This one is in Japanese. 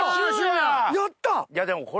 やった！